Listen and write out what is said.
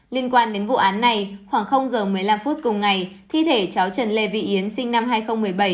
liên quan đến vụ án này khoảng giờ một mươi năm phút cùng ngày thi thể cháu trần lê vị yến sinh năm hai nghìn một mươi bảy